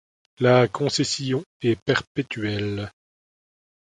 La concession est perpétuelle.